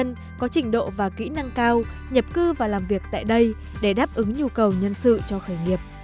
nhân có trình độ và kỹ năng cao nhập cư và làm việc tại đây để đáp ứng nhu cầu nhân sự cho khởi nghiệp